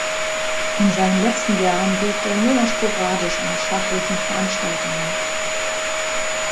In seinen letzten Jahren wirkte er nur noch sporadisch an schachlichen Veranstaltungen mit.